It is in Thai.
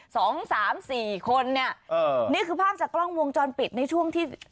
สองสามสี่คนเนี่ยเออนี่คือภาพจากกล้องวงจรปิดในช่วงที่